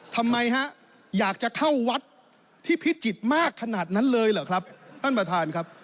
ทำไมฮะอยากจะเข้าวัดที่พิจิตรมากขนาดนั้นเลยเหรอครับท่านประธานครับ